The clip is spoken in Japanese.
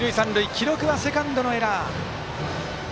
記録はセカンドのエラー。